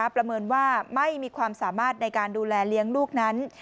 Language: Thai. ประเมินว่าไม่มีความสามารถในการดูแลเลี้ยงลูกนั้น